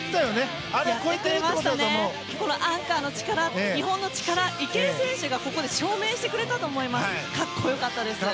アンカーの力、日本の力池江選手がここで証明してくれたと思います。